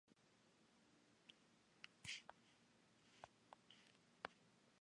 Pertenece a la cultura preinca k´anas y inca.